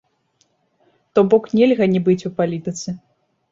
То бок нельга не быць у палітыцы!